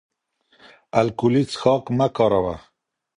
الکولي څښاک مه کاروه